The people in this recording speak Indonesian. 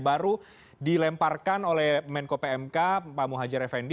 baru dilemparkan oleh menko pmk pak muhajir effendi